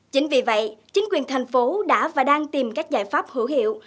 chính vì vậy chính quyền thành phố đã và đang tìm các giải pháp hữu hiệu